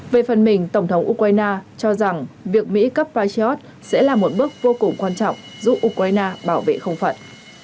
về phần mình tổng thống ukraine cho rằng việc mỹ cấp patriot sẽ là một bước vô cùng quan trọng giúp ukraine bảo vệ không phận